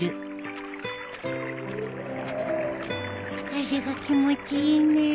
風が気持ちいいね。